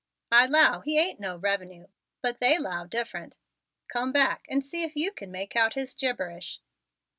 I 'low he ain't no revenue but they 'low different. Come back and see if you kin make out his gibberish."